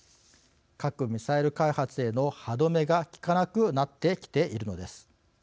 核・ミサイル開発への歯止めが利かなくなってきているのです。